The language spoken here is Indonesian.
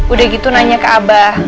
udah gitu nanya ke abah